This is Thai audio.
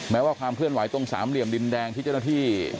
แม้ว่าความเคลื่อนไหวตรงสามเหลี่ยมดินแดงที่เจ้าหน้าที่